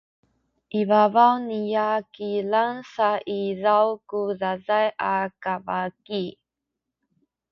i pabaw niya kilang sa izaw ku cacay a kabaki